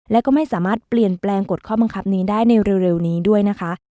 และก็ไม่สามารถเปลี่ยนแปลงกฎข้อบังคับนี้ได้ในเร็วนี้ด้วยนะคะ